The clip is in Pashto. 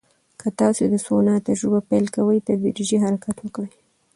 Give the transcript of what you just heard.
که تاسو د سونا تجربه پیل کوئ، تدریجي حرکت وکړئ.